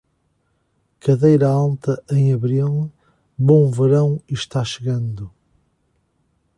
Cadeira alta em abril: bom verão está chegando.